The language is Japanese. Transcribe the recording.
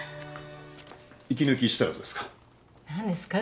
息抜きしたらどうですか？